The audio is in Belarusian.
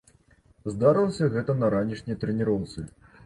Здарылася гэта на ранішняй трэніроўцы.